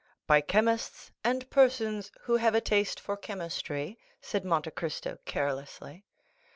"By chemists and persons who have a taste for chemistry," said Monte Cristo carelessly.